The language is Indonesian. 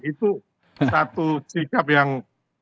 itu satu sikap yang sangat besar